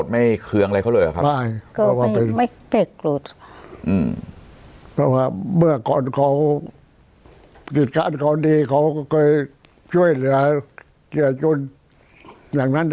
เมื่อก่อนเขากิจการขอนดีเขาก็ค่อยช่วยเหลือเหลือย่างนั้นเอง